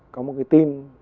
có một cái tin